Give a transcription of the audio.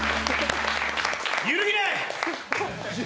揺るぎない！